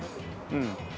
うん。